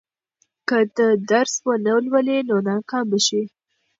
که ته درس ونه لولې، نو ناکام به شې.